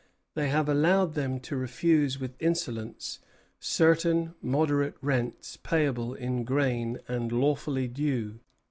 They have allowed them to refuse with insolence certain moderate rents payable in grain and lawfully due.